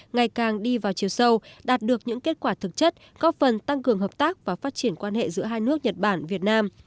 ngày càng đi vào chiều sâu đạt được những kết quả thực chất có phần tăng cường hợp tác và phát triển quan hệ giữa hai nước nhật bản việt nam